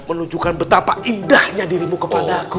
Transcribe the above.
menunjukkan betapa indahnya dirimu kepada aku